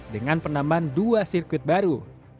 dengan penambahan dua sirkuit baru